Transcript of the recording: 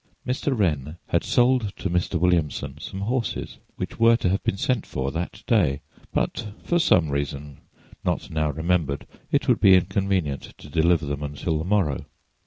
Mr. Wren had sold to Mr. Williamson some horses, which were to have been sent for that day, but for some reason not now remembered it would be inconvenient to deliver them until the morrow.